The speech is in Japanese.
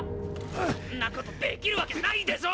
そんなことできるわけないでしょ！